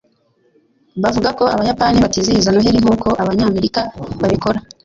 bavuga ko abayapani batizihiza noheri nkuko abanyamerika babikora